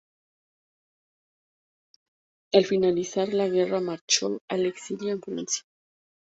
Al finalizar la guerra marchó al exilio en Francia.